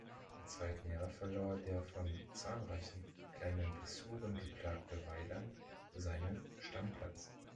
Im zweiten Jahr verlor der von zahlreichen kleinen Blessuren geplagte Weiland seinen Stammplatz.